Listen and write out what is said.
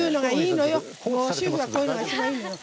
主婦はこういうのが一番いいのよ。